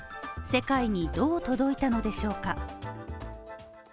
世界に、どう届いたのでしょうか。